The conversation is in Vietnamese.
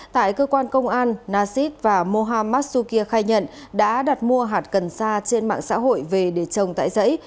tại cơ quan công an nasid và mohamad sukir khai nhận đã đặt mua hạt cần sa trên mạng xã hội về để trồng tại giấy